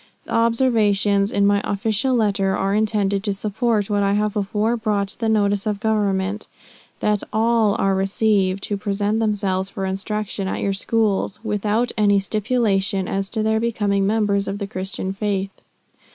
The observations in my official letter are intended to support what I have before brought to the notice of Government, that all are received, who present themselves for instruction at your schools, without any stipulation as to their becoming members of the Christian faith.